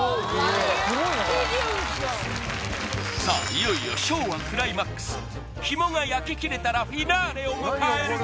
いよいよショーはクライマックスヒモが焼き切れたらフィナーレを迎える